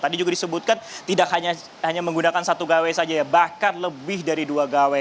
tadi juga disebutkan tidak hanya menggunakan satu gawe saja ya bahkan lebih dari dua gawe